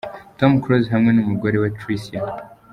Tom Close hamwe n'umugore we Tricia.